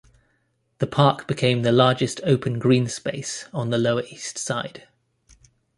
The park became the largest open green space on the Lower East Side.